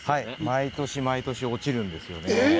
毎年毎年落ちるんですよね。